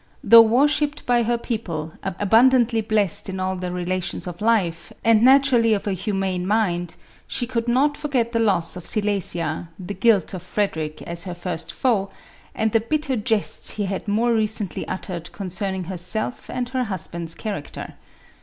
Though worshipped by her people, abun dantly blessed in all the relations of life, and naturally of a humane mind, she could not forget the loss of Si lesia, the guilt of Frederic as her first foe, and the bit ter jests he had more recently uttered concerning her self and her husband's character.